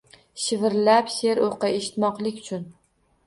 Shivirlab she’r o’qi, eshitmoqlik-chun